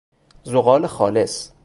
زغال خالص